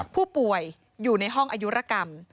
ผู้ป่วยอยู่ในห้องอายุรกรรม